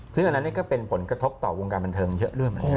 ซึ่งอันนั้นก็เป็นผลกระทบต่อวงการบันเทิงเยอะเรื่อยมาก